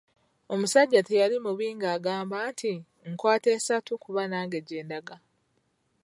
Omusajja teyali mubi ng'angamba nti, "nkwata essaati kuba nange gye ndaga."